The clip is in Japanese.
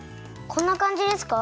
こんなかんじですか？